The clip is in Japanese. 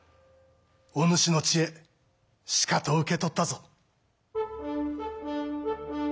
お主の知恵しかと受け取ったぞ。